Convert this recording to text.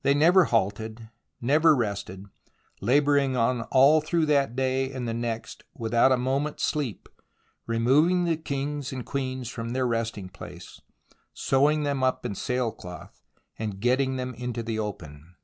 They never halted, never rested, labouring on all through that day and the next without a moment's sleep, removing the kings and queens from their resting place, sewing them up in sailcloth, and getting them into the open.